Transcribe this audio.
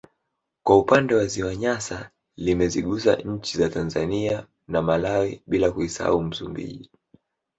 Kwa upande wa ziwa Nyasa limezigusa nchi za Tanzania na Malawi bila kuisahau Msumbiji